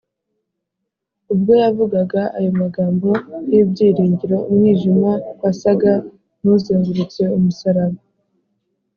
ubwo yavugaga ayo magambo y’ibyiringiro, umwijima wasaga n’uzengurutse umusaraba,